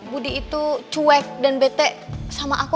budi itu cuek dan bete sama aku